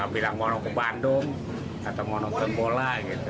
bila mau ke bandung atau mau ke bola gitu